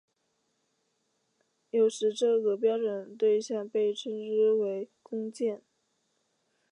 有时这个标准对像被称为工件。